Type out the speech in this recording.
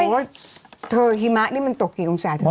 โอ้ย